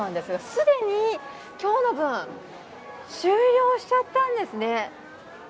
すでに今日の分、終了しちゃったんですね。